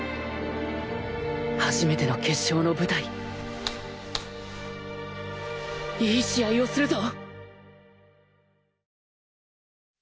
初めての決勝の舞台いい試合をするぞ！